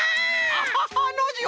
アハハノージー